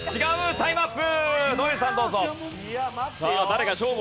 タイムアップ！